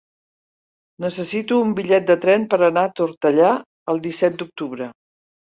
Necessito un bitllet de tren per anar a Tortellà el disset d'octubre.